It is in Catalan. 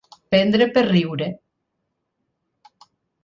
Prendre per riure.